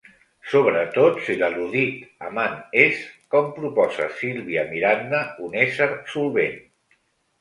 Sobretot si l'al·ludit amant és, com proposa Sílvia Miranda, un ésser "solvent".